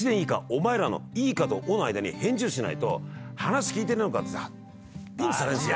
お前ら」の「いいか？」と「お」の間に返事をしないと「聞いてるのか？」ってビンタされるんです。